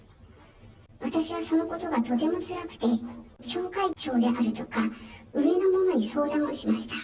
私はそのことがとてもつらくて、教会長であるとか、上の者に相談をしました。